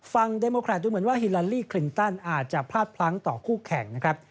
เดโมแครตดูเหมือนว่าฮิลาลีคลินตันอาจจะพลาดพลั้งต่อคู่แข่งนะครับ